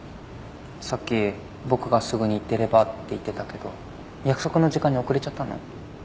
さっき「僕がすぐに行ってれば」って言ってたけど約束の時間に遅れちゃったの？